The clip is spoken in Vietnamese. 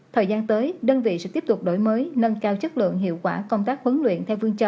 thời gian tới đơn vị sẽ tiếp tục đổi mới nâng cao chất lượng hiệu quả công tác huấn luyện